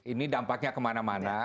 ini dampaknya kemana mana